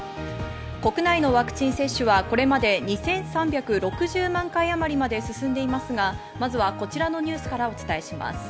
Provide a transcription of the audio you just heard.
国内のワクチン接種はこれまで２３６０万回あまりまで進んでいますが、まずはこちらのニュースからお伝えします。